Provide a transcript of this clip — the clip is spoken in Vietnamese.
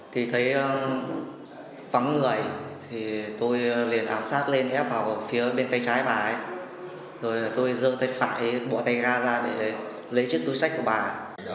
thì thấy vắng người thì tôi liền ám sát lên ép vào phía bên tay trái bà ấy rồi tôi dựa tay phải bỏ tay ra để lấy chiếc túi sách của bà ấy